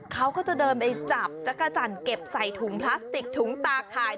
เขาก็จะเดินไปจับจักรจันทร์เก็บใส่ถุงพลาสติกถุงตาข่าย